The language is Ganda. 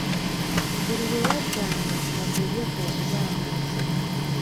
Buli wewaddanga nga ku ye kw'okuba amaaso.